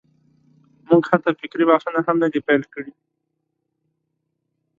موږ حتی فکري بحثونه هم نه دي پېل کړي.